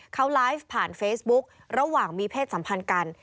เขาไลฟ์ผ่านเฟซบุ๊กระหว่างมีเพศสัมพันธ์กัน